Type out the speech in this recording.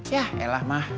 ya elah mah